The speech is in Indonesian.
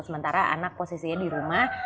sementara anak posisinya di rumah